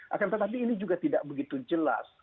akan tetapi ini juga tidak begitu jelas